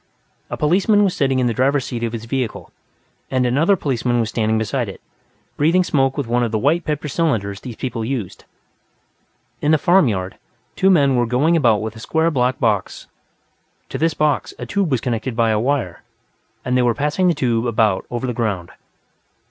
A policeman was sitting in the driver's seat of this vehicle, and another policeman was standing beside it, breathing smoke with one of the white paper cylinders these people used. In the farm yard, two men were going about with a square black box; to this box, a tube was connected by a wire, and they were passing the tube about over the ground.